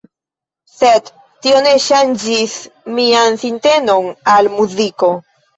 Sed tio ne ŝanĝis mian sintenon al muziko.